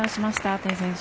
テイ選手。